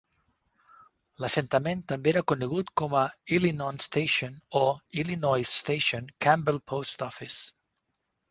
L'assentament també era conegut com a Illinons Station o "Illinois Station, Campbell Post Office".